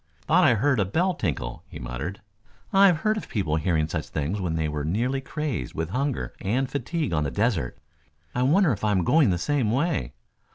"Thought I heard a bell tinkle," he muttered. "I've heard of people hearing such things when they were nearly crazed with hunger and fatigue on the desert. I wonder if I am going the same way.